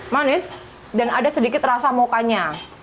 manis dan ada sedikit rasa mukanya